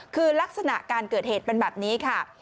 คือลักษณะการเกิดเหตุเป็นแบบนี้ค่ะ